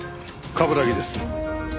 冠城です。